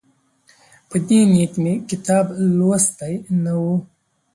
په دې نیت مې کتاب لوستی نه وو.